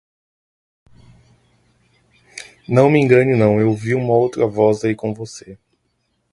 Não me engane não, eu ouvi uma outra voz aí com você.